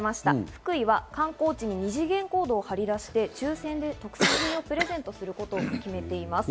福井は観光地に二次元コードを張り出して、抽選で特産品などプレゼントすることを決めています。